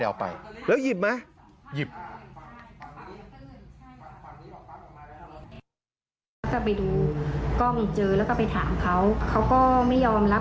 เขาก็ไม่ยอมรับบอกเห็นกล้องนะกล้องมีนะ